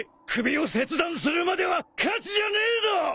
首を切断するまでは勝ちじゃねえど！